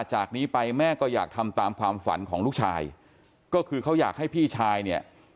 จากนี้ไปแม่ก็อยากทำตามความฝันของลูกชายก็คือเขาอยากให้พี่ชายเนี่ย